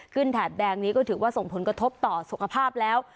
แถบแดงนี้ก็ถือว่าส่งผลกระทบต่อสุขภาพแล้ว